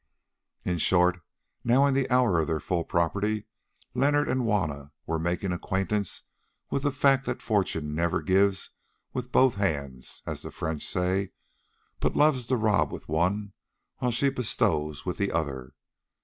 In short, now in the hour of their full property, Leonard and Juanna were making acquaintance with the fact that fortune never gives with both hands, as the French say, but loves to rob with one while she bestows with the other.